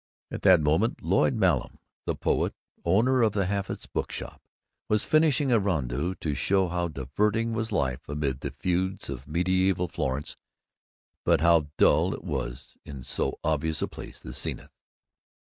At that moment Lloyd Mallam, the poet, owner of the Hafiz Book Shop, was finishing a rondeau to show how diverting was life amid the feuds of medieval Florence, but how dull it was in so obvious a place as Zenith.